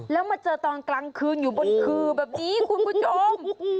แล้วมาเจอตอนกลางคืนอยู่บนคือแบบนี้คุณผู้ชม